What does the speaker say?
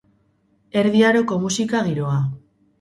Erdi aroko musika giroa.